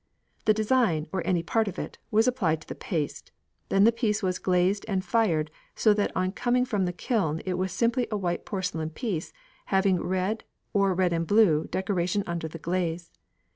The design, or any part of it, was applied to the paste, then the piece was glazed and fired so that on coming from the kiln it was simply a white porcelain piece having blue, or red and blue, decoration under the glaze.